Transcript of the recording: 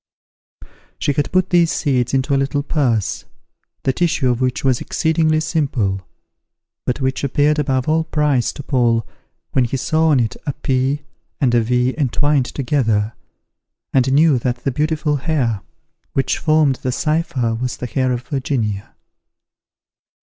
She had put these seeds into a little purse, the tissue of which was exceedingly simple; but which appeared above all price to Paul, when he saw on it a P and a V entwined together, and knew that the beautiful hair which formed the cypher was the hair of Virginia.